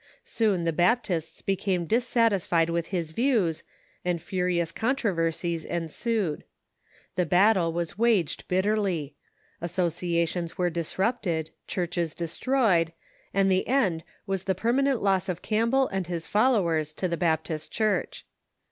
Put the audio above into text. Soon the Baptists became dissatisfied with his view^s, and furious con troversies ensued. The battle was waged bitterly. Associa tions were disrupted, churches destroyed, and the end was the permanent loss of Campbell and his followers to the Baptist Ciiurch.